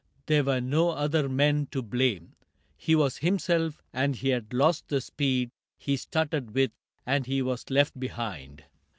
There were no other men to blame. He was himself, and he had lost the speed He started with, and he was left behind.